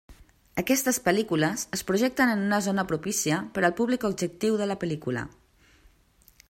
Aquestes pel·lícules es projecten en una zona propícia per al públic objectiu de la pel·lícula.